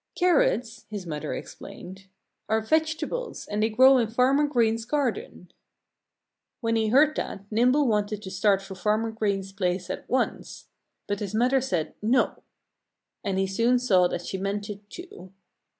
"Carrots," his mother explained, "are vegetables and they grow in Farmer Green's garden." When he heard that, Nimble wanted to start for Farmer Green's place at once. But his mother said, "No!" And he soon saw that she meant it, too.